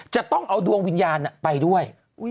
จะต้องเอาดวงวิญญาณไปด้วย